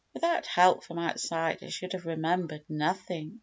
Without help from outside I should have remembered nothing.